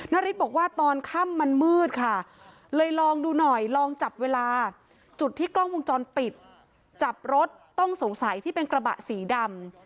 นาริสบอกว่าตอนค่ำมันมืดค่ะเลยลองดูหน่อยลองจับเวลาจุดที่กล้องวงจรปิดจับรถต้องสงสัยที่เป็นกระบะสีดำ